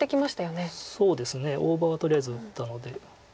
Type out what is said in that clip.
そうですね大場はとりあえず打ったので。